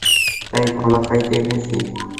তাই, ক্ষমা চাইতে এসেছি।